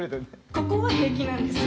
ここは平気なんですよ。